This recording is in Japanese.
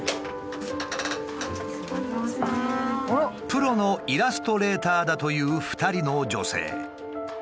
プロのイラストレーターだという２人の女性。